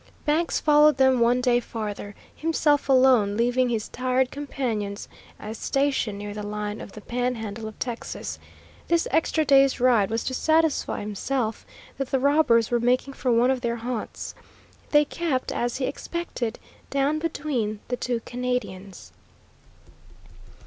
Banks followed them one day farther, himself alone, leaving his tired companions at a station near the line of the Panhandle of Texas. This extra day's ride was to satisfy himself that the robbers were making for one of their haunts. They kept, as he expected, down between the two Canadians.